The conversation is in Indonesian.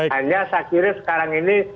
hanya saya kira sekarang ini